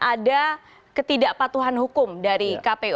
ada ketidakpatuhan hukum dari kpu